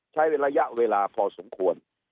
ใช้ระยะเวลาพอสมควร